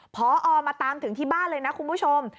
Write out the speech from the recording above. พอมาตามถึงที่บ้านเลยนะคุณผู้ชม